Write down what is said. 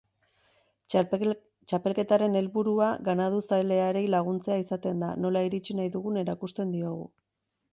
Txapelketaren helburua ganaduzaleari laguntzea izaten da, nora iritsi nahi dugun erakusten diogu.